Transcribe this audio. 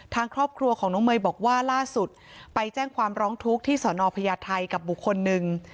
ทางครอบครัวของน้องเมย์บอกว่าล่าสุดไปแจ้งความร้องทุกข์ที่สอนอพญาไทยกับบุคคลหนึ่ง